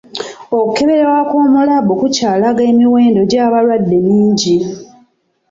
Okukeberebwa kw'omu laabu kukyalaga emiwendo gy'abalwadde mingi.